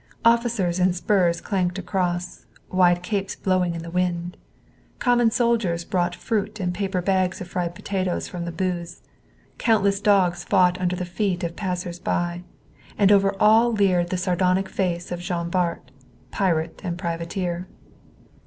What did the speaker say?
Officers in spurs clanked across, wide capes blowing in the wind. Common soldiers bought fruit and paper bags of fried potatoes from the booths. Countless dogs fought under the feet of passers by, and over all leered the sardonic face of Jean Bart, pirate and privateer.